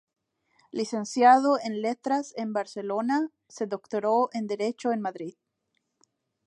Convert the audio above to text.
Licenciado en Letras en Barcelona, se doctoró en Derecho en Madrid.